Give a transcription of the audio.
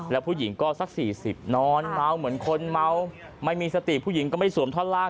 แล้วผู้หญิงก็สัก๔๐นอนเมาเหมือนคนเมาไม่มีสติผู้หญิงก็ไม่สวมท่อนล่าง